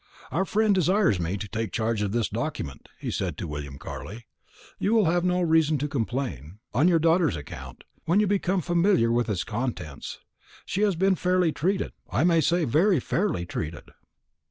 "Our friend desires me to take charge of this document," he said to William Carley. "You will have no reason to complain, on your daughter's account, when you become familiar with its contents. She has been fairly treated I may say very fairly treated."